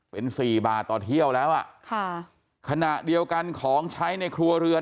เป็นสี่บาทต่อเที่ยวแล้วอ่ะค่ะขณะเดียวกันของใช้ในครัวเรือน